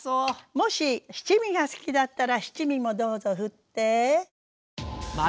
もし七味が好きだったら七味もどうぞ振って。